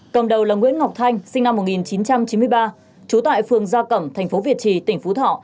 cầm đầu là nguyễn ngọc thanh sinh năm một nghìn chín trăm chín mươi ba trú tại phường gia cẩm thành phố việt trì tỉnh phú thọ